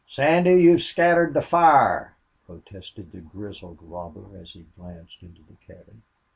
"Sandy, you've scattered the fire," protested the grizzled robber, as he glanced into the cabin.